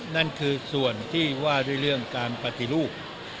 นั่นคือส่วนที่ว่าด้วยเรื่องการปฏิรูป